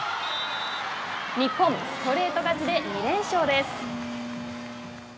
日本、ストレート勝ちで２連勝です。